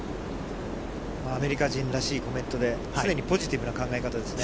アメリカ人らしいコメントで、常にポジティブな考え方ですね。